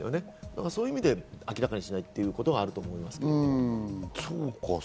そういう意味で明らかにしないということもあると思います。